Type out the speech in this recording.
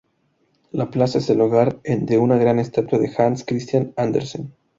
La plaza es el hogar de una gran estatua de Hans Christian Andersen.